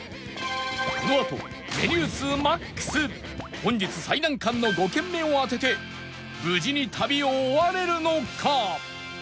このあとメニュー数 ＭＡＸ 本日最難関の５軒目を当てて無事に旅を終われるのか？